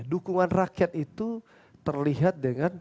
dukungan rakyat itu terlihat dengan